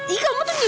ih kamu tuh gila